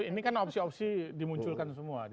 ini kan opsi opsi dimunculkan semua